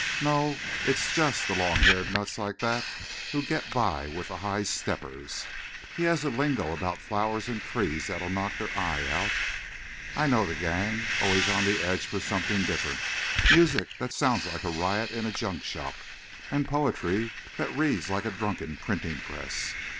"No. It's just the long haired nuts like that who get by with the high steppers. He has a lingo about flowers and trees that'll knock their eye out. I know the gang. Always on edge for something different music that sounds like a riot in a junk shop and poetry that reads like a drunken printing press.